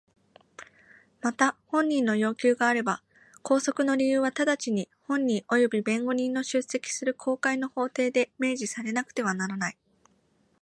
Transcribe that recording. また本人の要求があれば拘束の理由は直ちに本人および弁護人の出席する公開の法廷で明示されなくてはならない。